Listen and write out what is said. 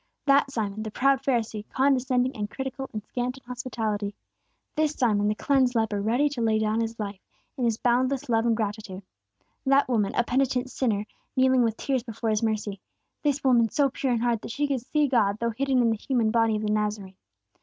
That Simon, the proud Pharisee, condescending and critical and scant in hospitality; this Simon, the cleansed leper, ready to lay down his life, in his boundless love and gratitude. That woman, a penitent sinner, kneeling with tears before His mercy; this woman, so pure in heart that she could see God though hidden in the human body of the Nazarene.